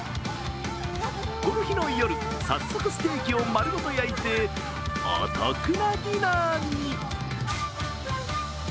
この日の夜、早速ステーキを丸ごと焼いてお得なディナーに。